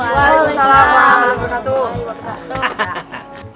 waalaikumsalam warahmatullahi wabarakatuh